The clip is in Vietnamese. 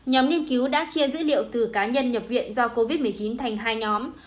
nhóm nghiên cứu đã chia dữ liệu từ cá nhân nhập viện do covid một mươi chín thành hai nhóm